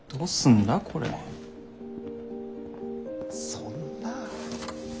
そんなぁ。